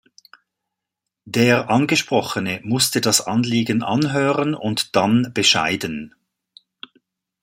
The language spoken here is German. Der Angesprochene musste das Anliegen anhören und dann bescheiden.